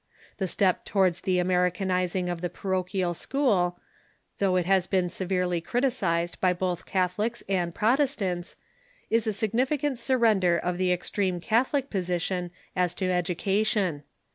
The step towards the Americanizing of the paro chial school, though it has been severely criticised by both Catholics and Protestants, is a significant surrender of the ex treme Catholic position as to education.